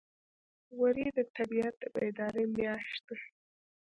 وری د طبیعت د بیدارۍ میاشت ده.